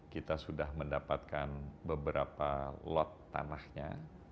kita sudah mendapatkan beberapa lot tanahnya